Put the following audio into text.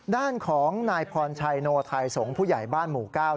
ด้านของนายพรชัยโนไทยสงฆ์ผู้ใหญ่บ้านหมู่เก้า